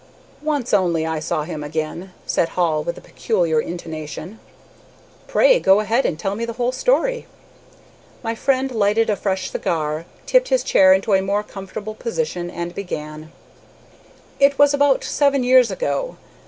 "Once only I saw him again," said Hall, with a peculiar intonation. "Pray go ahead, and tell me the whole story." My friend lighted a fresh cigar, tipped his chair into a more comfortable position, and began: "It was about seven years ago.